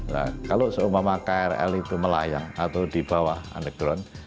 nah kalau seumpama krl itu melayang atau di bawah underground